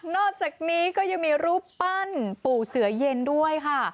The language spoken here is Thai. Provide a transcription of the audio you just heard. อกจากนี้ก็ยังมีรูปปั้นปู่เสือเย็นด้วยค่ะ